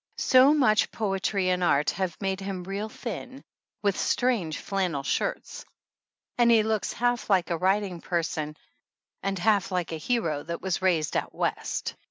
So much poetry and art have made him real thin, with strange flannel shirts, and he looks half like a writing person and half like a hero which was raised out West.